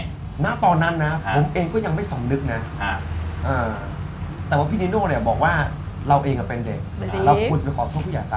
อเจมส์ตอนนั้นนะผมเองก็ยังไม่ส่องนึกนะแต่พี่นิโน่บอกว่าเราเองเป็นเด็กเราคุณไปขอโทษพี่อย่าซะ